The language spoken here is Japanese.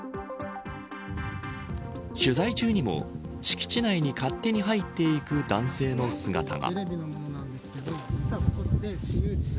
取材中にも敷地内に勝手に入っていく男性の姿が。